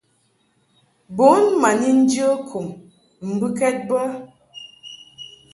Bun ma ni njə kum mbɨkɛd bə.